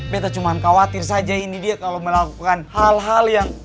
kita cuma khawatir saja ini dia kalau melakukan hal hal yang